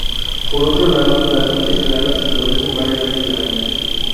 Por otro lado, las noches heladas se producen varias veces al año.